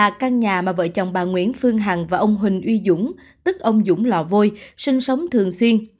là căn nhà mà vợ chồng bà nguyễn phương hằng và ông huỳnh uy dũng tức ông dũng lò vôi sinh sống thường xuyên